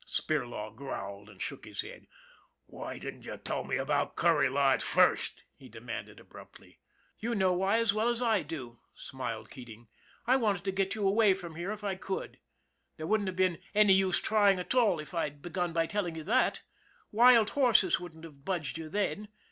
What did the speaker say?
Spirlaw growled and shook his head. " Why didn't you tell me about Kuryla at first ?" he demanded abruptly. " You know why as well as I do," smiled Keating. " I wanted to get you away from here if I could. There wouldn't have been any use trying at all if I'd begun by telling you that. Wild horses wouldn't have budged you then.